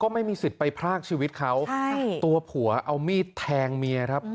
ไม่มีสิทธิ์ไปพรากชีวิตเขาตัวผัวเอามีดแทงเมียครับ